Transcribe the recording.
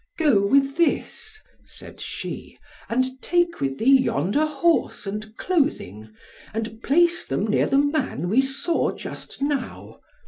"Go with this," said she, "and take with thee yonder horse, and clothing, and place them near the man we saw just now.